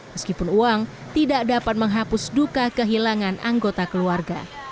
meskipun uang tidak dapat menghapus duka kehilangan anggota keluarga